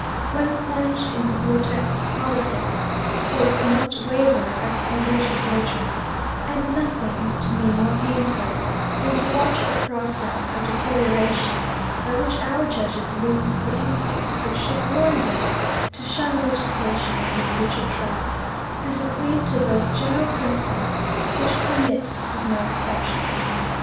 When plunged in the vortex of politics, courts must waver as do legislatures, and nothing is to me more painful than to watch the process of deterioration by which our judges lose the instinct which should warn them to shun legislation as a breach of trust, and to cleave to those general principles which permit of no exceptions.